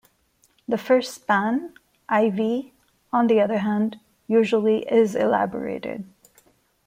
The first span, I-V, on the other hand, usually is elaborated.